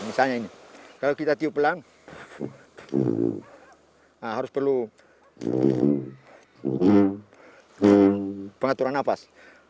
misalnya ini kalau kita tiup pelan harus perlu pengaturan nafas